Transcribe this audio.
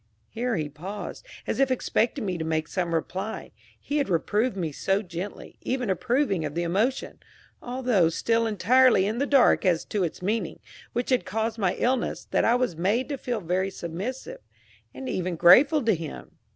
Here he paused, as if expecting me to make some reply. He had reproved me so gently, even approving of the emotion, although still entirely in the dark as to its meaning, which had caused my illness, that I was made to feel very submissive, and even grateful to him.